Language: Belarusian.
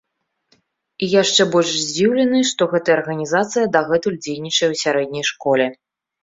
І яшчэ больш здзіўлены, што гэтая арганізацыя дагэтуль дзейнічае ў сярэдняй школе.